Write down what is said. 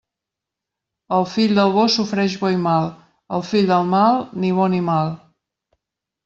El fill del bo sofreix bo i mal; el fill del mal, ni bo ni mal.